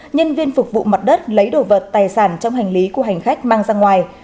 nhân viên phục vụ mặt đất lấy đồ vật tài sản trong hành lý của hành khách mang ra ngoài